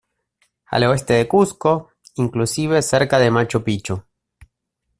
Al oeste de Cuzco, inclusive cerca de Machu Picchu.